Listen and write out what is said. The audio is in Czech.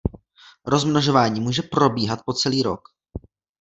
Rozmnožování může probíhat po celý rok.